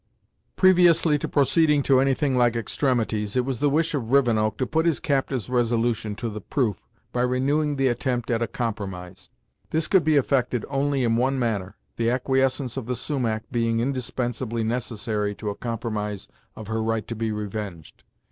Previously to proceeding to any thing like extremities, it was the wish of Rivenoak to put his captive's resolution to the proof by renewing the attempt at a compromise. This could be effected only in one manner, the acquiescence of the Sumach being indispensably necessary to a compromise of her right to be revenged.